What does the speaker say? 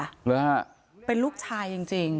หรือเป็นลูกชายจริง